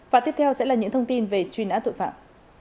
và tiếp theo sẽ là những thông tin về truy nã tội phạm